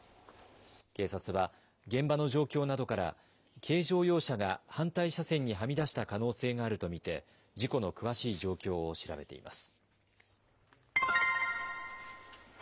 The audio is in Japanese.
警察は、現場の状況などから、軽乗用車が反対車線にはみ出した可能性があると見て、事故の詳しい状況を調べています。